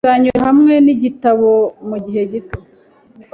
Nzanyura hamwe nigitabo mugihe gito.